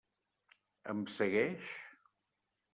Em segueix?